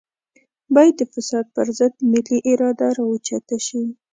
بايد د فساد پر ضد ملي اراده راوچته شي.